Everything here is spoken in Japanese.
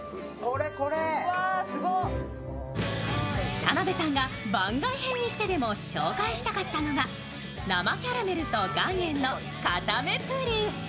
田辺さんが番外編にしてでも紹介したかったのが、生キャラメルと岩塩の固めプリン。